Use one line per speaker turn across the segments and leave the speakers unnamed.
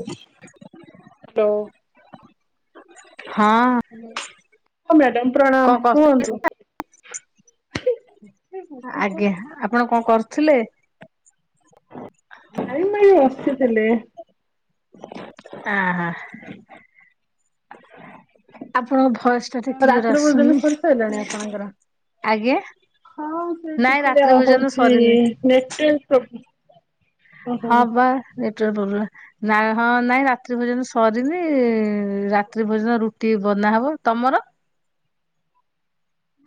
ହୁଁ।
ହ୍ୟାଲୋ।
ହଁ।
ମ୍ୟାଡାମ
କଣ
ପ୍ରଣାମ
କରୁଥିଲେ?
କୁହନ୍ତୁ।
ଆଜ୍ଞା, ଆପଣ କଣ କରୁଥିଲେ?
ନାଇଁ ମୁଁ ଏଇ ବସିଥିଲି।
ଆହାଃ, ଆପଣଙ୍କ ଭଏସ୍ [unintelligible] କ୍ଲିୟର
ରାତ୍ର ଭୋଜନ
ଆସୁନି।
ସରି ସାରିଲାଣି ଆପଣଙ୍କର?
ଆଜ୍ଞା?
ହଁ ସେ
ନାଇଁ
ଟିକେ
ରାତ୍ରି ଭୋଜନ
ହଉଛି
ସରିନି।
ନେଟୱାର୍କ ପ୍ରୋବ୍ଲେ
ହଁ ବା ନେଟୱାର୍କ ପ୍ରୋବ୍ଲେମ୍। ନାଇ, ହଁ ନାଇଁ ରାତ୍ରି ଭୋଜନ ସରିନି, ରାତ୍ରି ଭୋଜନ ରୁଟି ବନାହବ, ତମର?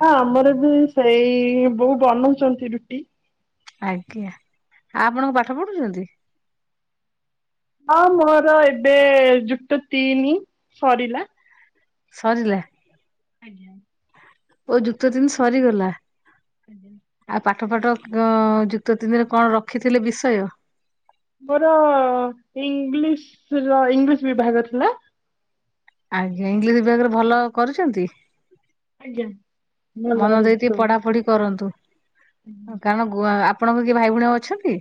ହଁ ଆମର ବି ସେଇ ବୋଉ ବନଉଛନ୍ତି ରୁଟି।
ଆଜ୍ଞା, ଆଉ ଆପଣ କଣ ପାଠ ପଢୁଛନ୍ତି?
ହଁ, ମୋର ଏବେ ଯୁକ୍ତ ତିନି ସରିଲା।
ସରିଲା?
ଆଜ୍ଞା।
ଓ ଯୁକ୍ତ ତିନି ସରିଗଲା?
ଆଜ୍ଞା।
ଆଉ ପାଠଫାଠ ଅ-ଅ ଯୁକ୍ତ ତିନିରେ କଣ ରଖିଥିଲେ ବିଷୟ?
ମୋର ଇଂଲିଶ ର ଇଂଲିଶ ବିଭାଗ ଥିଲା।
ଆଜ୍ଞା, ଇଂଲିଶ ବିଭାଗରେ ଭଲ କରୁଛନ୍ତି?
ଆଜ୍ଞା ଭଲ
ମନ
ହେଇଛି
ଦେଇ ଟିକେ
ସବୁ।
ପଢାପଢି କରନ୍ତୁ। କାରଣ ଗୋଆ, ଆପଣଙ୍କ କିଏ ଭାଇ ଭଉଣୀ ଆଉ ଅଛନ୍ତି?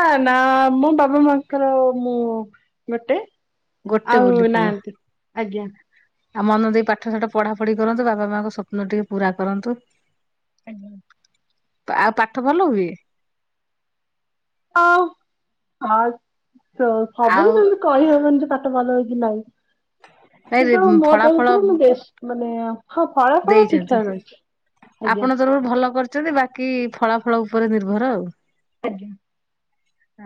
ନାଆ ନା ମୋ ବାବା ମାଆଙ୍କର ମୁଁ ଗୋଟେ।
ଗୋଟେ
ଆଉ
ବୋଲି ପୁଅ
ନାହାନ୍ତି, ଆଜ୍ଞା।
ଆଉ ମନ ଦେଇ ପାଠସାଠ ପଢାପଢି କରନ୍ତୁ, ବାବା ମାଆଙ୍କ ସ୍ୱପ୍ନ ଟିକେ ପୁରା କରନ୍ତୁ।
ଆଜ୍ଞା।
ଆଉ ପାଠ ଭଲ ହୁଏ?
ଆଉ, ଆଉ ସେ ସବୁ
ଆଉ
[unintelligible] ସେମିତି କହି ହବନି ଯେ ପାଠ ଭଲ ହୁଏକି ନାଇଁ।
ନାଇଁ
କିନ୍ତୁ
ରେ-
ମୋ
ଫଳାଫଳ
ତରଫରୁ ମୁଁ ବେଷ୍ଟ୍, ମାନେ ହଁ ଫଳାଫଳ
ଦେଇଛନ୍ତି।
ଠିକଠାକ୍ ଅଛି। ଆଜ୍ଞା।
ଆପଣ ତରଫରୁ ଭଲ କରିଛନ୍ତି ବାକି ଫଳା ଫଳ ଉପରେ ନିର୍ଭର ଆଉ।
ଆଜ୍ଞା।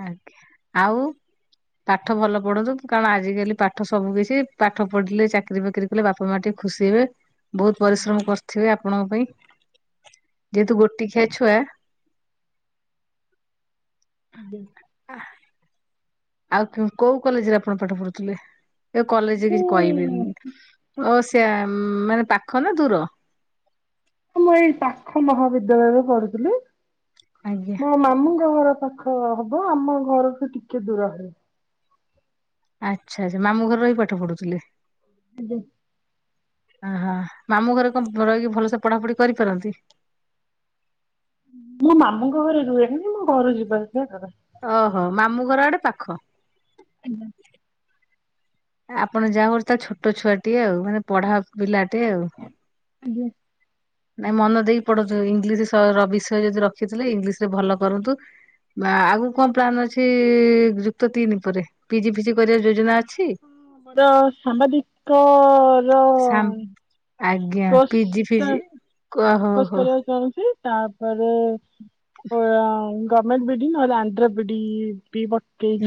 ଆଜ୍ଞା ଆଉ ପାଠ ଭଲ ପଢନ୍ତୁ କାରଣ ଆଜିିକାଲି ପାଠ ସବୁ କିଛି ପାଠ ପଢିଲେ ଚାକିରି ବାକିରି କୋଇଲେ ବାପା ମା ଟିକେ ଖୁସି ହବେ। ବହୁତ ପରିଶ୍ରମ କରିଥିବେ ଆପଣଙ୍କ ପାଇଁ ଯେହେତୁ ଗୋଟି ଖିଆ ଛୁଆ।
ଆଜ୍ଞା।
ଅଃ। ଆଉ କୋଉ କଲେଜରେ ଆପଣ ପାଠ ପଢୁଥିଲେ ଏ କଲେଜରେ
ମୁଁ
କିଛି କହିବିନି। ଓ ସେଆ ମାନେ ପାଖ ନା ଦୂର।
ମୁଁ ଏଇ ପାଖ ମହାବିଦ୍ୟାଳୟରେ ପଢୁଥିଲି।
ଆଜ୍ଞା।
ମୋ ମାମୁଁଙ୍କ ଘର ପାଖ ହବ ଆମ ଘରଠୁ ଟିକେ ଦୂର ହେବ।
ଆଚ୍ଛା ଆଛା ମାମୁଁ ଘରେ ରହିି ପାଠ ପଢୁଥିଲେ।
ଆଜ୍ଞା।
ଓହୋ ମାମୁଁ ଘରେ କଣ ରହିକି ଭଲସେ ପଢାପଢି କରିପାରନ୍ତି?
ମୁଁ ମାମୁ ଙ୍କ ଘରେ ରୁହେନି ମୁଁ ଘରୁ ଯିବା ଆସାବା କରେ।
ଓହୋ ମାମୁଁ ଘର ଆଡେ ପାଖ।
ଆଜ୍ଞା।
ଆପଣ ଯାହା କରୁତା ଛୋଟ ଛୁଆଟିଏ ଆଉ ମାନେ ପଢା ପିଲାଟି ଆଉ।
ଆଜ୍ଞା।
ନାଇଁ ମନ ଦେଇକି ପଢୁ ଇଂଲିଶ ର ବିଷୟ ଯଦି ରଖିଥିଲେ ଇଂଲିଶ ରେ ଭଲ କରନ୍ତୁ। ବା ଆଗକୁ କଣ ପ୍ଲାାନ ଅଛି ଯୁକ୍ତ ତିନି ଉପରେ ପିଜି ଫିଜି କରିବାାର ଯୋଜନା ଅଛି?
ମୋର ସାମ୍ବାଦିକ ର
ସାମ୍ ଆଜ୍ଞା
କୋର୍ସ
ପିଜି
ଟା
ଫିଜି ଓହୋ
କୋର୍ସ୍
ହୋ
କରିବାକୁ ଚାହୁଁଛି। ତାପରେ ଗମେଣ୍ଟ ବିଡି ନହେଲେ ଆନ୍ଧ୍ର ବିଡି ପି ବ୍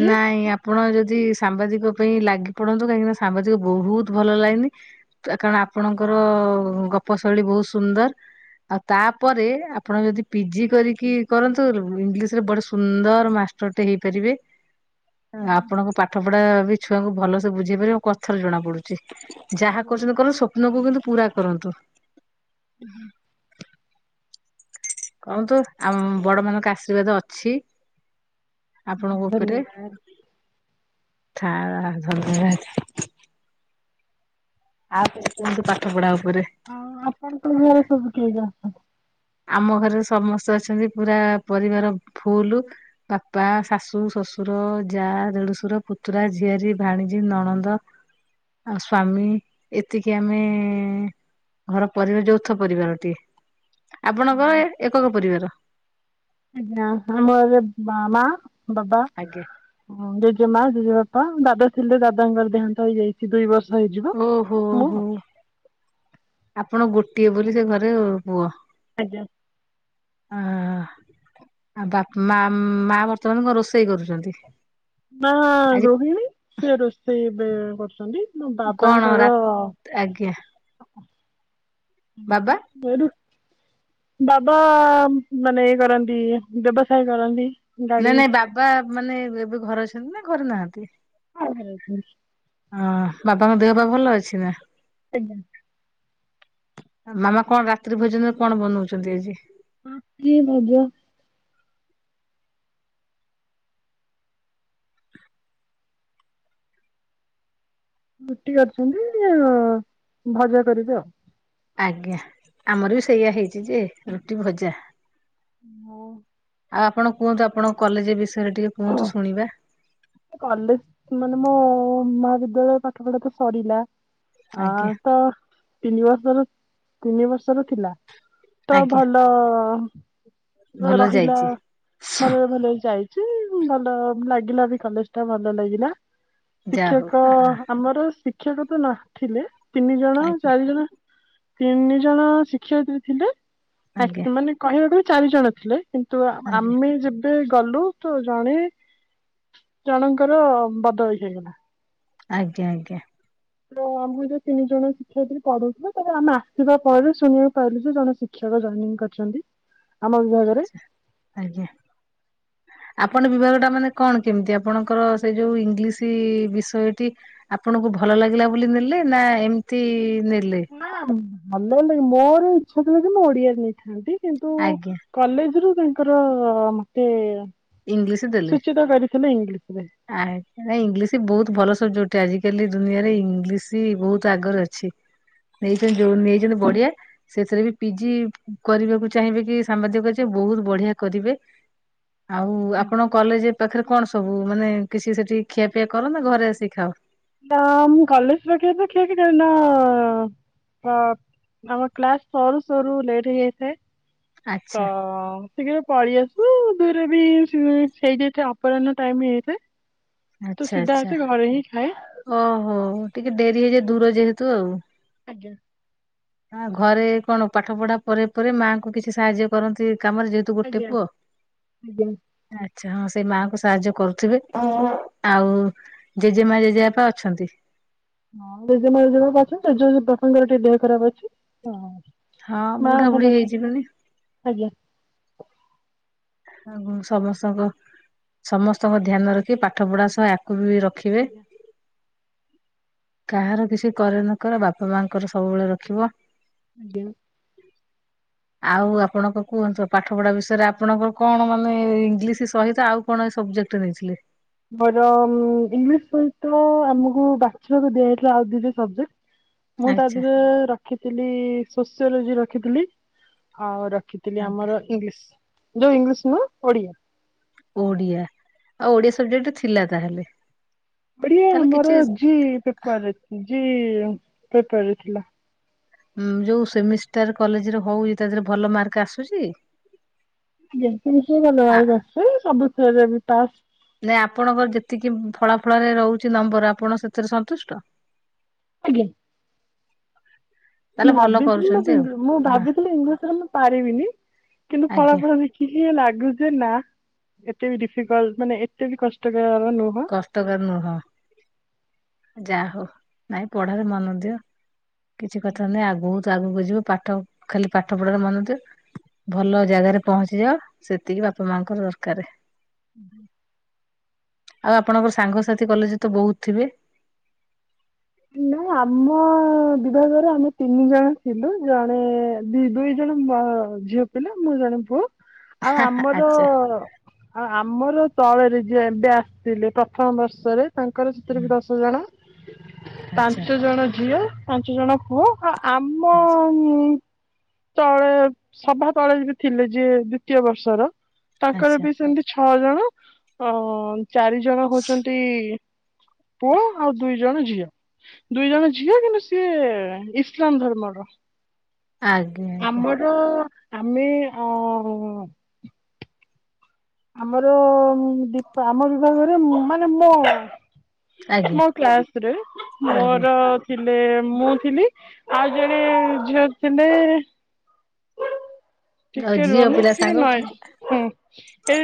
ନାଇଁ ଆପ୍ ଆପଣ ଯଦି ସାମ୍ବାଦିକ ପାଇଁ ଲାଗି ପଡନ୍ତୁ କାହିଁକିନା ସାମ୍ବାଦିକ ବହୁତ ଭଲ ଲାଇନି। କାରଣ ଆପଣଙ୍କର ଗପ ଶୈଳୀ ବହୁତ ସୁନ୍ଦର। ଆଉ ତାପରେ ଆପଣ ଯଦି ପିଜି କରିକି କରନ୍ତୁ ଇଂଲିଶ ରେ ବଡ ସୁନ୍ଦର ମାଷ୍ ଟରେଟେ ହେଇପାରିବେ। ଆପଣଙ୍କ ପାଠ ପଢା ବି ଛୁଆଙ୍କୁ ଭଲସେ ବୁଝେଇ ପାରିବ ଆ କଥାରେ ଜଣା ପଡୁଛି। ଯାହା କରୁଛନ୍ତି କର ସ୍ୱପ୍ନକୁ କିନ୍ତୁ ପୁରା କରନ୍ତୁ।
ହୁଁ ହୁଁ
କହନ୍ତୁ ଆମ ବଡ ମାନଙ୍କ ଆଶୀର୍ବାଦ ଅଛି। ଆପଣଙ୍କ ଉପରେ
ଧନ୍ୟବାଦ
ଥା ଧନ୍ୟବାଦ। ଆଉ କୁହନ୍ତୁ ପାଠ ପଢା ଉପରେ?
ହଁ ଆପଣଙ୍କ ଘରେ ସବୁ କିଏ କିଏ ଅଛନ୍ତି?
ଆମ ଘରେ ସମସ୍ତେ ଅଛନ୍ତି ପୁରା ପରିବାର ଫୁଲୁ। ବାପା, ଶାଶୁ, ଶ୍ୱଶୁର, ଯାଆ, ଦେଢୁଶୁର, ପୁତୁରା, ଝିଆରୀ, ଭାଣିଜୀ, ନଣନ୍ଦ। ଆଉ ସ୍ଵାମୀ ଏତିକି ଆମେ ଘର ପରି, ଯୌଥ ପରିବାର ଟିଏ। ଆପଣଙ୍କର ଏକକ ପରିବାର?
ନା ଆମର ମା, ବାବା।
ଆଜ୍ଞା।
ହଁ ଜେଜେ ମା, ଜେଜେ ବାପା, ଦାଦା ଥିଲେ ଦାଦାଙ୍କର ଦେହାନ୍ତ ହେଇଯାଇ କି ଦୁଇ ବର୍ଷ ହେଇଯିବ
ଓହୋ
ମୁଁ।
ହୋ ଆପଣ ଗୋଟିଏ ବୋଲି ସେ ଘରେ ପୁଅ?
ଆଜ୍ଞା।
ହାଁ। ଆଉ ବାପ ମା, ମା ବର୍ତ୍ତମାନ ମୋ କଣ ରୋଷେଇ କରୁଛନ୍ତି?
ମାଆ
ଆଜି
ଗୃହିଣୀ ସେ ରୋଷେଇ ଏବେ କରୁଛନ୍ତି। ମୋ
କଣ ରା
ବାବାଙ୍କର
ଆଜ୍ଞା ବାବା?
ହୁଁ ବାବା ମାନେ ଇଏ କରନ୍ତି, ବ୍ୟବସାୟ କରନ୍ତି। ଗାଡି
ନାଇଁ ନାଇଁ ବାବା ମାନେ ଏବେ ଘରେ ଅଛନ୍ତି ନା ଘରେ ନାହାନ୍ତି?
[inaudible]
ହଁ ବାପାଙ୍କ ଦେହ ପାହା ଭଲ ଅଛି ନା?
ଆଜ୍ଞା।
ମାମା କଣ ରାତ୍ରି ଭୋଜନରେ କଣ ବନଉଛନ୍ତି ଆଜି?
ହଁ କି ଭଜା? ରୁଟି କରିଛନ୍ତି, ଭଜା କରିବେ ଆଉ
ଆଜ୍ଞା, ଆମର ବି ସେଇଆ ହେଇଛି ଯେ ରୁଟି, ଭଜା।
ହଁ।
ଆଉ ଆପଣ କୁହନ୍ତୁ, ଆପଣଙ୍କ କଲେଜ ବିଷୟରେ ଟିକେ କୁହନ୍ତୁ, ଶୁଣିବା?
କଲେଜ ମାନେ ମୋ ମହାବିଦ୍ୟାଳୟରେ ପାଠ ପଢା ତ ସରିଲା। ଆ
ଆଜ୍ଞା
ତ ତିନି ବର୍ଷର ତିନି ବର୍ଷର ଥିଲା ତ
ଆଜ୍ଞା
ଭ ତ
ଭଲ
ରହିଲା
ଯାଇଛି।
ଭଲରେ ଭଲରେ ଯାଇ ସେ ଭଲ ଲାଗିଲା ବି କଲେଜଟା ଭଲ ଲାଗିଲା।
ଯା ହଉ
ଶିକ୍ଷକ ଆମର ଶିକ୍ଷକ ତ ନ ଥିଲେ ତିନି ଜଣ,
ଆଜ୍ଞା
ଚାରି ଜଣ। ତିନି ଜଣ ଶିକ୍ଷୟିତ୍ରୀ ଥିଲେ,
ଆଜ୍ଞା
ମାନେ କହିବାକୁ ବି ଚାରି ଜଣ ଥିଲେ। କିନ୍ତୁ
ଆଜ୍ଞା
ଆମେ ଯେବେ ଗଲୁ ତ ଜଣେ ଜଣଙ୍କର ବଦଳି ହେଇଗଲା।
ଆଜ୍ଞା, ଆଜ୍ଞା।
ତ ଆମକୁ ଯୋଉ ତିନି ଜଣ ଶିକ୍ଷୟତ୍ରୀ ପଢଉଥିଲେ ତାପରେ ଆମେ ଆସିବା ପରେ ଶୁଣିବାକୁ ପାଇଲୁ ଯେ ଜଣେ ଶି ଶିକ୍ଷକ ଜଏନିଂ କରିଛନ୍ତି ଆମ ବିଭାଗରେ।
ଆଜ୍ଞା। ଆପଣ ବିଭାଗଟା ମାନେ କଣ କେମିତି ଆପଣଙ୍କର ସେଇ ଯୋଉ ଇଂଲିଶ ବିଷୟଟି। ଆପଣଙ୍କୁ ଭଲ ଲାଗିଲା ବୋଲି ନେଲେ ନା ଏମିତି ନେଲେ?
ନା ଭଲ ଭଲ ଲାଗେ ମୋର ଇଚ୍ଛା ଥିଲା କି ମୁଁ ଓଡିଆରେ ନେଇଥାନ୍ତି କିନ୍ତୁ
ଆଜ୍ଞା
କଲେଜରୁ ତାଙ୍କର ମତେ
ଇଂଲିଶ ଦେଲେ।
ସୂଚିତ କରିଥିଲେ ଇଂଲିଶ ରେ
ଆ ଇଂଲିଶ ବହୁତ ଭଲ ସବଜେକ୍ଟ ଗୋଟେ ଆଜିକାଲି ଦୁନିଆରେ ଇଂଲିଶ ବହୁତ ଆଗରେ ଅଛି। ନେଇଛନ୍ତି ଯୋଉ ନେଇଛ ବଢିଆ ସେଥିରେ ବି ପିଜି କରିବାକୁ ଚାହିଁବେ କି ସାମ୍ବାଦିକ କ ବହୁତ ବଢିଆ କରିବେ? ଆଉ ଆପଣ କଲେଜ ପାଖରେ କଣ ସବୁ ମାନେ କିଛି ସେଠି ଖିଆପିଆ କର ନା ଘରେ ଆସିିକି ଖାଅ?
ନା ମୁ କଲେଜ ପାଖରେ ଖିଆଖିଇ କରେନା। ତ ଆମ କ୍ଲାସ ସରୁ ସରୁ ଲେଟ୍ ହେଇଯାଇଥାଏ
ଆଚ୍ଛା
ତ ଶୀଘ୍ର ପଳେଇ ଆସୁ। ଦୁଇରେ ବି ସେଇଠି ଅପରାହ୍ନ ଟାଇମ ହେଇଯାଇଥାଏ। ତ
ଆଚ୍ଛା
ସିଧା
ଆଚ୍ଛା
ଆସି ଘରେ ହିଁ ଖାଏ।
ଓହୋ ଟିକେ ଡେରି ହେଇଯାଏ। ଦୂର ଯେହେତୁ ଆଉ,
ଆଜ୍ଞା।
ହ ଘରେ କଣ ପାଠ ପଢା ପରେ ପରେ ମାଆଙ୍କୁ କିଛି ସାହାଯ୍ୟ କରନ୍ତି। କାମରେ ଯେହେ ତୁ ଗୋଟେ
ଆଜ୍ଞା
ପୁଅ?
ଆଜ୍ଞା
ଆଚ୍ଛା। ହଁ ସେଇ ମାଆଙ୍କୁ ସାହାଯ୍ୟ କରୁଥିବେ ହୁଁ ଆଉ ଜେଜେମା ଜେଜେବାପା ଅଛନ୍ତି?
ହଁ ଜେଜେମା ଜେଜେବାପା ଅଛନ୍ତି [inaudible] ସଙ୍ଗର ଟିକେ ଦେହ ଖରାପ ଅଛି।
ହଁ
ମା
ବୁଢା ବୁଢୀ
ଭଲ
ହେଇଯିବେନି
ଅଛନ୍ତି। ଆଜ୍ଞା।
ଆ ଗୁ ସମସ୍ତଙ୍କ ସମସ୍ତଙ୍କ ଧ୍ୟାନ ରଖି ପାଠ ପଢା ସହ ୟାକୁ ବି ରଖିବେ।
ଆଜ୍ଞା
କାହାର କିଛି କର ନ କର ବାପା ମାଙ୍କର ସବୁବେଳେ ରଖିବ।
[inaudible]
[inaudible] ଆଉ ଆପଣଙ୍କ କୁହନ୍ତୁ ପାଠ ପଢା ବିଷୟରେ ଆପଣଙ୍କ କଣ ମାନେ ଇଂଲିଶ ସହିତ ଆଉ କଣ ଏ ସବଜେକ୍ଟ ନେଇଥିଲେ।
ମୋର ଇଂଲିଶ ସହିତ ଆମକୁ ବାଛିବାକୁ ଦିଆଯାଇଥିଲା ଆଉ ଦିଟା ସବଜେକ୍ଟ। ମୁଁ ତା
ଆଚ୍ଛା
ଦେହରେ ରଖିଥିଲି ସୋସିଓଲୋଜି ରଖିଥିଲି ଆଉ ରଖି ଥିଲି
ଆଜ୍ଞା
ଆମର ଇଂଲିଶ ଯୋଉ ଇଂଲିଶ ନୁହଁ ଓଡିଆ।
ଓଡିଆ ଆଉ ଓଡିଆ ସବଜେକ୍ଟ ଥିଲା ତାହେଲେ।
ଓଡିଆ
ତାହେଲେ କିଛି
ଆମର ଜି ପେପରରେ ଜି ପେପରରେ ଥିଲା।
ଉ ଯୋଉ ସେମିଷ୍ଟାର କଲେଜରେ ହଉ ଇ ତା ଦେହରେ ଭଲ ମାର୍କ ଆସୁଛି।
[unintelligible]
ଆ
ସବୁଥିରେ ବି ପାସ୍।
ନାଇଁ ଆପଣଙ୍କର ଯେତିକି ଫଳା ଫଳରେ ରହୁଛି ନମ୍ବର ଆପଣ ସେଥିରେ ସନ୍ତୁଷ୍ଟ।
ଆଜ୍ଞା।
ତାହେଲେ ଭଲ
ଭାବିଥିଲି
କରୁଛନ୍ତି ଆଉ
ମୁଁ ମୁଁ
ହଁ
ଭାବିଥିଲି ଇଂଲିଶରେ ମୁଁ ପାରିବିନି କିନ୍ତୁ
ଆଜ୍ଞା
ଫଳାଫଳ ବି କି ସିଏ ଲାଗୁ ଯେ ନା ଏତେ ବି ଡିଫିକଲ ମାନେ ଏତେ ବି କଷ୍ଟକର ନୁହଁ।
କଷ୍ଟକର ନୁହଁ ଯା ହଉ ନାଇଁ ପଢାରେ ମନ ଦିଅ। କିଛି କଥା ନୁହଁ ଆଗ ବହୁତ ଆଗକୁ ଯିବ ପାଠ ଖାଲି ପାଠ ପଢାରେ ମନ ଦିଅ। ଭଲ ଜାଗାରେ ପହଞ୍ଚିଯାଅ ସେତିକି ବାପା ମାଙ୍କର ଦରକାର।
ଓହୋ।
ଆଉ ଆପଣଙ୍କର ସାଙ୍ଗସାଥି କଲେଜ ତ ବହୁତ ଥିବେ।
ନା ଆମ ବିଭାଗରେ ଆମେ ତିନି ଜଣ ଥିଲୁ ଜଣେ ଦି ଦୁଇ ଜଣ ମ ଝିଅ ପିଲା ମୁଁ ଜଣେ ପୁଅ ଆଉ ଆମର
ଆଚ୍ଛା
ଆଉ ଆମର ତଳେରେ ଯିଏ ଏବେ ଆସିଥିଲେ ପ୍ରଥମ ବର୍ଷରେ ତାଙ୍କର ସେଥିରେ
ହୁଁ
ବି ଦଶ ଜଣ
ଆଚ୍ଛା।
ପାଞ୍ଚ ଜଣ ଝିଅ ପାଞ୍ଚ ଜଣ ପୁଅ ଆଉ ଆମ
ଆଚ୍ଛା।
ଉଁ ତଳେ ସଭା ତଳେ ବି ଥିଲେ ଯିଏ ଦ୍ଵିତୀୟ ବର୍ଷର ତାଙ୍କର
ଆଚ୍ଛା
ବି ସେମିତି ଛଅ ଜଣ ଅ ଚାରି ଜଣ ହଉଛନ୍ତି ପୁଅ ଆଉ ଦୁଇ ଜଣ ଝିଅ। ଦୁଇ ଜଣ ଝିଅ କିନ୍ତୁ ସିଏ ଇସଲାମ ଧର୍ମର।
ଆଜ୍ଞା ଆଜ୍ଞା।
ତ ଆମେ ଅଁ ଆମର ଡିପା ଆମ ବିଭାଗରେ ମାନେ ମୋ
ଆଜ୍ଞା
ମୋ କ୍ଲାସରେ
ଆଜ୍ଞା
ମୋର ଥିଲେ ମୁଁ ଥିଲି ଆଉ ଜଣେ ଝିଅ ଥିଲେ
ଆଉ
ଟିକ ରୁହ
ଝିଅ
ମତ
ପିଲା
ଟିକେ
ସାଙ୍ଗ
ନାଏଜ୍ ହଁ।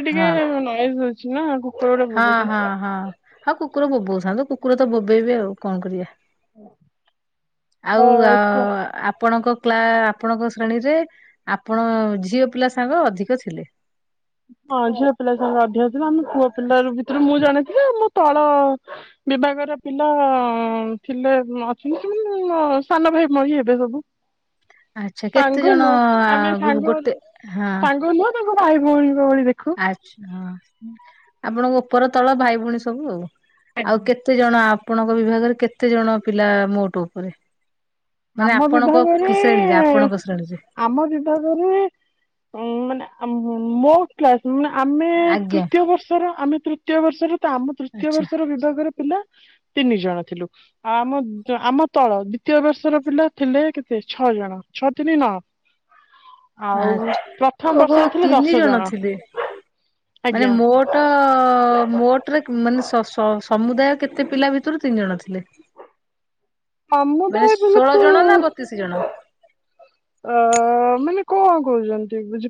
ଟିକେ
ହଁ
ନଏଜ୍ ହଉଛି ନା କୁକୁର ଗୁଡେ
ହଁ ହଁ
ଭୁକୁଛନ୍ତି।
ହଁ ହଉ କୁକୁର ବୋବଉଥାନ୍ତୁ କୁକୁର ତ ବୋବେଇବେ ଆଉ କଣ କରିବା।
ହ।
ଆଉ ଅ ଆପଣଙ୍କ କେଲା ଆପଣଙ୍କ ଶ୍ରେଣୀରେ ଆପଣ ଝିଅ ପିଲା ସାଙ୍ଗ ଅଧିକ ଥିଲେ।
ହଁ ଝିଅ ପିଲା ସାଙ୍ଗ ଅଧିକ ଥିଲେ ଆମେ ପୁଅ ପିଲା ରୁ ଭିତରେ ମୁଁ ଜଣେ ଥିଲି ଆଉ ମୁଁ ତଳ ବିଭାଗର ପିଲା ଥିଲେ ବ ଅଛନ୍ତି ମୋ ସାନ ଭାଇ ଭଳି ହେବେ ସବୁ।
ଆଚ୍ଛା କେତେ
ସାଙ୍ଗୁ
ଜଣ
ନୁ
ଆ,
ଆମେ
ବି-
ସାଙ୍ଗ
ଗୋଟେ ହଁ
ସାଙ୍ଗୁ ନୁହ। ତାଙ୍କୁ ଭାଇ ଭଉଣୀ ଭଳି ଦେଖୁ।
ଆଚ୍ଛା ହଁ ଆପଣଙ୍କ ଉପର ତଳ ଭାଇ ଭଉଣୀ ସବୁ ଆଉ। ଆଉ କେତେ ଜଣ ଆପଣଙ୍କ ବିଭାଗରେ କେତେ ଜଣ ପିଲା ମୋଟ ଉପରେ। ମାନେ
ଆମ
ଆପଣଙ୍କ
ବିଭାଗରେ
କି ଶ୍ରେଣୀରେ ଆପଣଙ୍କ ଶ୍ରେଣୀରେ
ଆମ ବିଭାଗରେ ଉ ମାନେ ମୋ କ୍ଲ ଆମେ
ଆଜ୍ଞା
ତୃତୀୟ ବର୍ଷର ଆମେ ତୃତୀୟ ବର୍ଷର ତ ଆମ ତୃତୀୟ
ଆଚ୍ଛା
ବର୍ଷର ବିଭାଗର ପିଲା ତିନି ଜଣ ଥିଲୁ ଆଉ ଆମ ଆମ ତଳ ଦିତୀୟ ବର୍ଷର ପିଲା ଥିଲେ କେତେ ଛଅ ଜଣ ଛଅ ତିିନି ନ ପ୍ରଥମ
ଆଛା ଓହୋ
ବର୍ଷରେ ଥିଲେ ଦଶ
ତିନି ଜଣ ଥିଲେ ମାନେ
ଆଜ୍ଞା
ମୋ ଟ ମୋଟରେ ମାନେ ସ ସ ସମୁଦାୟ କେତେ ପିଲା ଭିତରୁ ତିନି ଜଣ ଥିଲେ [inaudible] ମାନେ
ସମୁଦାୟ ବଲେ
ଷୋଳ
ତୁ
ଜଣ ନା ବତିଶ ଜଣ?
ଅ ମାନେ କଣ କହୁଛନ୍ତି ବୁଝ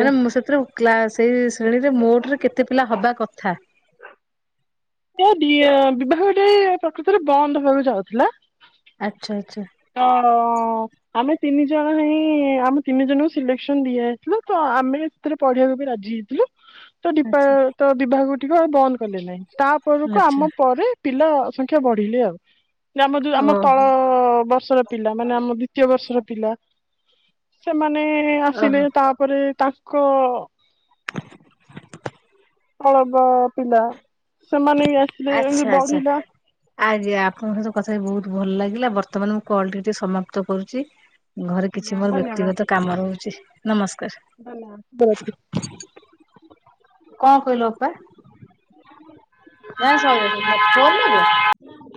ମାନେ ମୁଁ ସେଥିରୁ କ୍ଲା ସେଇ ଶ୍ରେଣୀରେ ମୋଟରେ କେତେ ପିଲା ହବା କଥା
ଏ ବି ବିବାହଟେ ପ୍ରକୃତରେ ବନ୍ଦ ହବାକୁ ଯାଉଥିଲା
ଆଚ୍ଛା ଆଚ୍ଛା
ହଁ ହଁ ଆମେ ତିନି ଜଣ ହିଁ ଆମ ତିନି ଜଣଙ୍କୁ ସିଲେକ୍ସନ ଦିଆହେଇଥିଲ ତ ଆମେ ସେଥିରେ ପଢିବାକୁ ବି ରାଜି ହେଇଥିଲୁ ତ ଡିପା
ଆଚ୍ଛା
ତ ବିଭାଗ ଟକୁ ଆଉ ବନ୍ଦ କଲେ ନାହିଁ ତାପରକୁ
ଆଚ୍ଛା
ଆମ ପରେ ପିଲା ସଂଖ୍ୟା ବଢିଲେ ଆଉ ଆମ ଯୋଉ ଆମ
ଓହୋ
ତଳ ବ ପିଲା ମାନେ ଆମ ଦ୍ଵିତୀୟ ବର୍ଷର ପିଲା ସେମାନେ ଆସିଲେ
ଓହୋ
ତା ପରେ ତାଙ୍କ
[inaudible]
ଅଳବ ପିଲା ସେମାନେ ବି ଆସିଲେ
ଆଚ୍ଛା
ଏମିତି
ଆଚ୍ଛା।
ବଢିଲା
ଆଜ୍ଞା ଆପଣଙ୍କ ସହିତ କଥା ହେଇ ବହୁତ ଭଲ ଲାଗିଲା ବର୍ତ୍ତମାନ ମୁଁ କଲ ଟିକେ ସମାପ୍ତ କରୁଛି ଘରେ
ଆଜ୍ଞା
କିଛି ମୋର ବ୍ୟକ୍ତିଗତ କାମ ରହୁଛି ନମସ୍କାର
ଭଲା ବ [unintelligible]
କଣ କହିଲୁ ଉପା ନାଇଁ ସଇଲାଣି ସ ଫୋନ ନବ